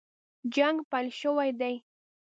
جنګ پیل شوی دی.